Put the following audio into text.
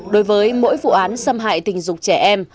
đối với mỗi vụ án xâm hại tình dục trẻ em